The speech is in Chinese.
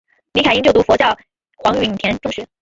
李凯茵就读佛教黄允畋中学。